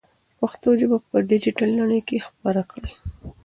پښتو ژبه په ډیجیټل نړۍ کې خپره کړئ.